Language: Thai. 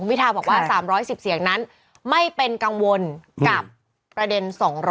คุณพิธาบอกว่า๓๑๐เสียงนั้นไม่เป็นกังวลและแปลน๒๕๐ส่อวง